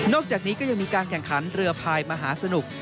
จากนี้ก็ยังมีการแข่งขันเรือพายมหาสนุก